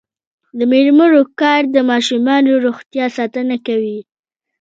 د میرمنو کار د ماشومانو روغتیا ساتنه کوي.